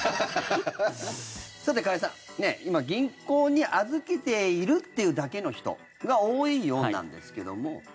さて、加谷さん今、銀行に預けているっていうだけの人がそうですね。